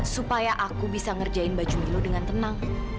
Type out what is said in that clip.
supaya aku bisa ngerjain baju milu dengan tenang